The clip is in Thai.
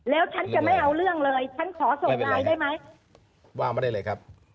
แล้วฉันจะไม่เอาเรื่องเลยฉันขอส่งไลน์ได้ไหมว่างมาได้เลยครับ